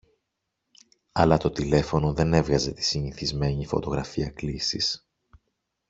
αλλά το τηλέφωνο δεν έβγαζε τη συνηθισμένη φωτογραφία κλήσης